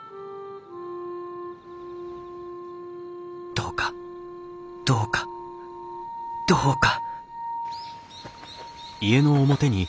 どうかどうかどうか！